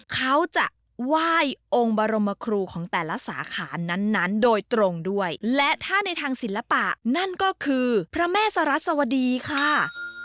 เขาจะไหว้องค์บรมครูของแต่ละสาขานั้นนั้นโดยตรงด้วยและถ้าในทางศิลปะนั่นก็คือพระแม่สรัสวดีค่ะ